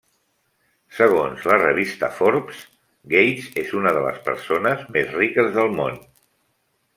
Segons la revista Forbes, Gates és una de les persones més riques del món.